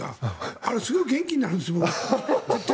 あれ、すごく元気になるんです。